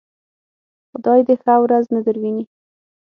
خدای دې ښه ورځ نه درويني.